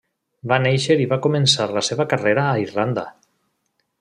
Va néixer i va començar la seva carrera a Irlanda.